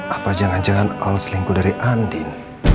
apa jangan jangan al selingkuh dari andin